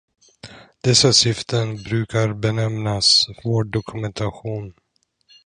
Dessa syften brukar benämnas vårddokumentation.